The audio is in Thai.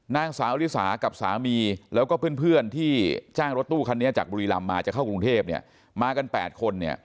นางสาวลิสากับสามีแล้วก็เพื่อนที่จ้างรถตู้คันนี้จากบุรีรำมาจะเข้ากรุงเทพเนี่ยมากัน๘คนเนี่ย